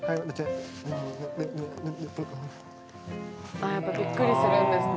ああやっぱりびっくりするんですね。